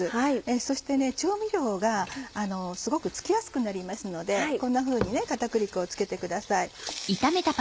そして調味料がすごくつきやすくなりますのでこんなふうに片栗粉をつけてください。